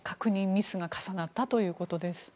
ミスが重なったということです。